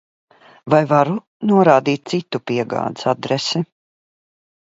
Vai varu norādīt citu piegādes adresi?